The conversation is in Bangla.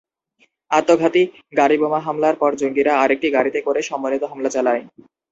আত্মঘাতী গাড়ি বোমা হামলার পর জঙ্গিরা আরেকটি গাড়িতে করে সমন্বিত হামলা চালায়।